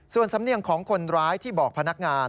ส่วนสำเนียงของคนร้ายที่บอกพนักงาน